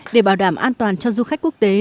để bảo đảm an toàn cho du khách quốc tế